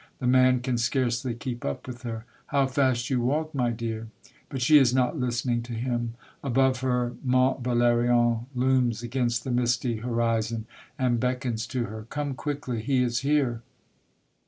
The man can scarcely keep up with her. " How fast you walk, my dear !" But she is not Hstening to him. Above her Mont Valerien looms against the misty horizon, and beckons to her. " Come quickly. He is here